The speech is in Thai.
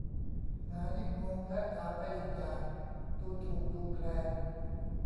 หมายิ่งงงและถามไปอีกอย่างดูถูกดูแคลน